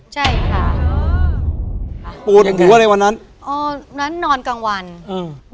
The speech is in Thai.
ใช่ค่ะอ๋อปวดหัวในวันนั้นอ๋อนั้นนอนกลางวันอืม